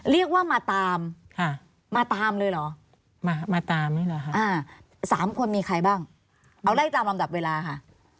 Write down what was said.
เอาได้ตามลำดับเวลาค่ะ